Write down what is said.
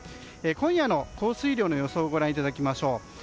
今夜の降水量の予想をご覧いただきましょう。